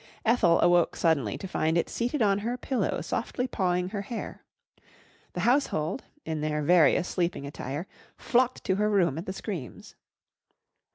Ethel awoke suddenly to find it seated on her pillow softly pawing her hair. The household, in their various sleeping attire, flocked to her room at the screams.